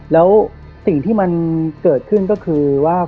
แล้วสิ่งที่มันเกิดขึ้นก็คือว่า